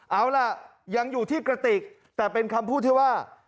เอาล่ะยังอยู่ที่กระติกแต่เป็นคำพูดที่ว่า